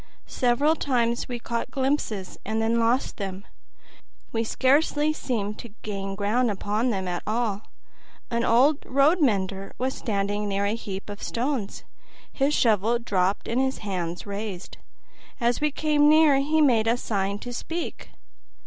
Several times we caught glimpses, and then lost them. We scarcely seemed to gain ground upon them at all. An old road mender was standing near a heap of stones, his shovel dropped and his hands raised. As we came near he made a sign to speak.